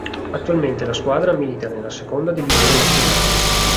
Attualmente la squadra milita nella seconda divisione nazionale.